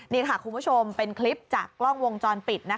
นี่ค่ะคุณผู้ชมเป็นคลิปจากกล้องวงจรปิด